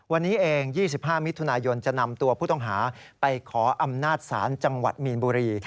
วันนี้เอง๒๕มิถุนายนจะนำตัวผู้ต้องหาไปขออำนาจศาลจังหวัดมีนบุรี